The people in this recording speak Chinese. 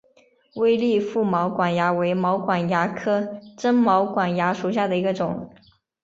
微粒腹毛管蚜为毛管蚜科真毛管蚜属下的一个种。